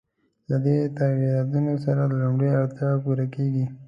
له دې تغییراتو سره لومړنۍ اړتیاوې پوره کېږي.